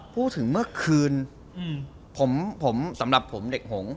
พูดถึงเมื่อคืนผมสำหรับผมเด็กหง